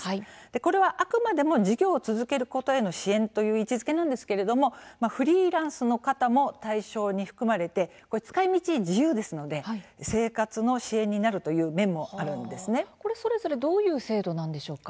これは、あくまでも事業を続けることへの支援という位置づけなんですけれどもフリーランスの方も対象に含まれて使いみちは自由ですので生活の支援になるという面もこれはそれぞれどういう制度なんでしょうか。